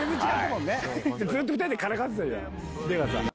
ずっと２人でからかってたじゃん。